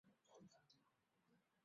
终审法院是香港最高的上诉法院。